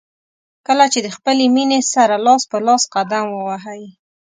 کله چې د خپلې مینې سره لاس په لاس قدم ووهئ.